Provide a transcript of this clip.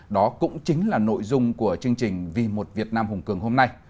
đó cũng chính là nội dung của chương trình vì một việt nam hùng cường hôm nay